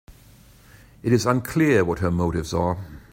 It is unclear what her motives are.